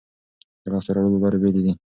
د لاسته راوړلو لارې بېلې دي.